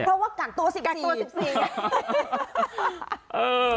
เพราะว่ากากตัวสิบสี่เอ่อ